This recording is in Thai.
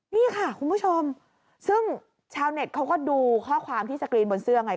นี่ค่ะคุณผู้ชมซึ่งชาวเน็ตเขาก็ดูข้อความที่สกรีนบนเสื้อไง